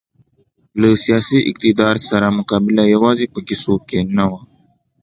له سیاسي اقتدار سره مقابله یوازې په کیسو کې نه وه.